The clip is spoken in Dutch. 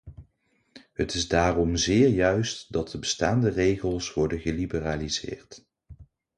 Het is daarom zeer juist dat de bestaande regels worden geliberaliseerd.